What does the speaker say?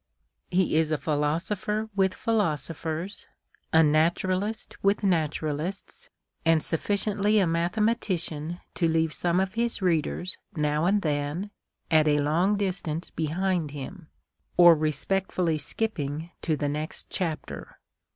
" He is a philosopher with philosophers, a naturalist with natural ists, and sufficiently a mathematician to leave some of his readers, now and then, at a long distance behind him, or respectfully skipping to the next chapter.